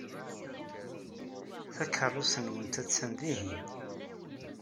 Takeṛṛust-nwent attan dihin.